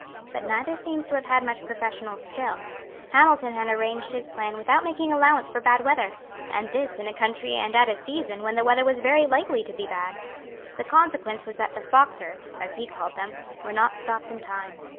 But neither seems to have had much professional skill; Hamilton had arranged his plan without making allowance for bad weather, and this in a country and at a season when the weather was very likely to be bad. The consequence was that the fox earths, as he called them, were not stopped in time.